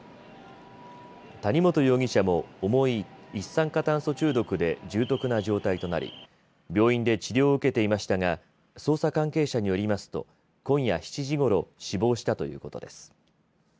谷本容疑者も重い一酸化炭素中毒で重篤な状態となり病院で治療を受けていましたが捜査関係者によりますと今夜７時ごろ死亡したということです。